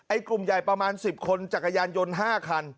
กลุ่มใหญ่ประมาณ๑๐คนจักรยานยนต์๕คัน